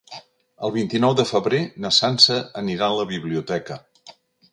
El vint-i-nou de febrer na Sança anirà a la biblioteca.